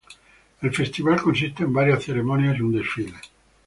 El festival consiste en varias ceremonias y un desfile.